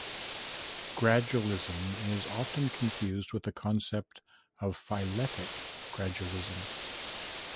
Gradualism is often confused with the concept of phyletic gradualism.